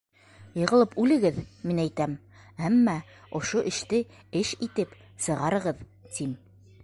— Йығылып үлегеҙ, мин әйтәм, әммә ошо эште эш итеп сығарығыҙ, тим.